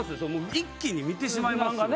一気に見てしまいますよね。